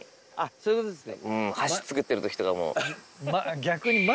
そういうことですね。